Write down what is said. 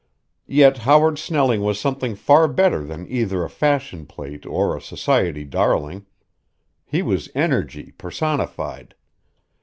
Yet Howard Snelling was something far better than either a fashion plate or a society darling. He was energy personified.